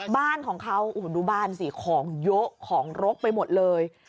บ้านของเขาโอ้โหดูบ้านสิของเยอะของรกไปหมดเลย